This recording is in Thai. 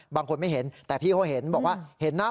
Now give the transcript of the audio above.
บางคนไม่เห็นแต่พี่เขาเห็นบอกว่าเห็นนะ